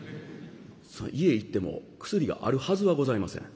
家へ行っても薬があるはずはございません。